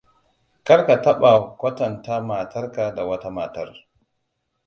Kar ka taba kwatanta matar ka da wata matar.